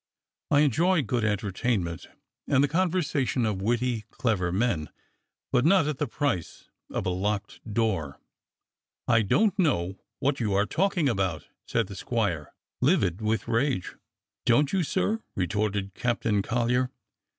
I enjoy good entertainment and the conversation of witty, clever men, but not at the price of a locked door." "I don't know what you are talking about!" said the squire, livid with rage. "Don't you, sir.?" retorted Captain Collyer.